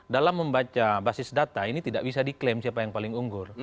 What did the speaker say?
dalam membaca basis data ini tidak bisa diklaim siapa yang paling unggur